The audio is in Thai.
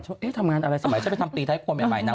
เธอทำงานอะไรสมัยจะไปทำปีไทยพ่อแม่หมายน้ำ